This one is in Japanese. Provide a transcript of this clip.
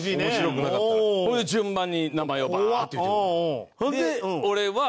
ほんで順番に名前をバーッと言うてく。